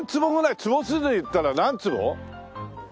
坪数で言ったら何坪？